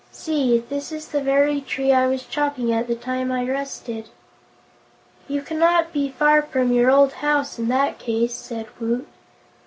See! This is the very tree I was chopping at the time I rusted." "You cannot be far from your old home, in that case," said Woot.